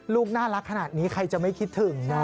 ลูกน่ารักขนาดนี้ใครจะไม่คิดถึงนะ